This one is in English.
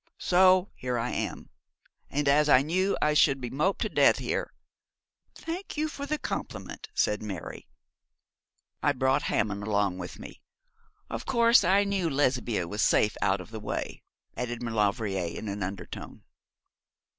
So, here I am; and as I knew I should be moped to death here ' 'Thank you for the compliment,' said Mary. 'I brought Hammond along with me. Of course, I knew Lesbia was safe out of the way,' added Maulevrier in an undertone.